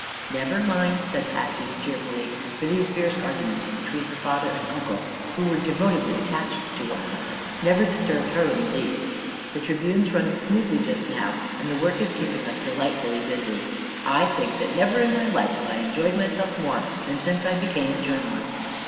"Never mind," said Patsy, cheerfully, for these fierce arguments between her father and uncle who were devotedly attached to one another never disturbed her in the least, "the Tribune's running smoothly just now, and the work is keeping us delightfully busy. I think that never in my life have I enjoyed myself more than since I became a journalist."